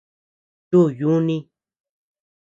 Chu yuni.